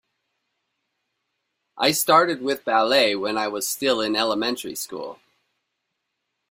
I started with ballet when I was still in elementary school.